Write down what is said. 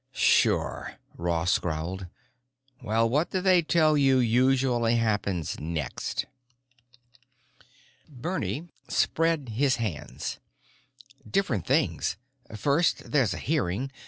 "Sure," Ross growled. "Well, what do they tell you usually happens next?" Bernie spread his hands. "Different things. First there's a hearing.